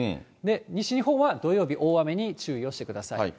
西日本は土曜日、大雨に注意をしてください。